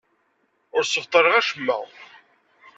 Ur ssebṭaleɣ acemma.